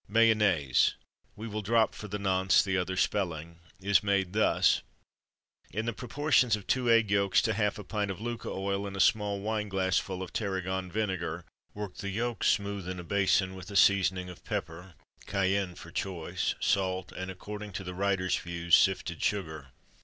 MAYONNAISE (we will drop for the nonce, the other spelling) is made thus: In the proportions of two egg yolks to half a pint of Lucca oil, and a small wine glassful of tarragon vinegar. Work the yolks smooth in a basin, with a seasoning of pepper (cayenne for choice), salt, and according to the writer's views sifted sugar.